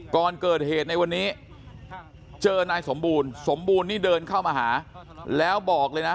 ก่อนเกิดเหตุในวันนี้เจอนายสมบูรณ์สมบูรณ์นี่เดินเข้ามาหาแล้วบอกเลยนะ